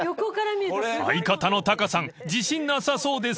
［相方のタカさん自信なさそうですが］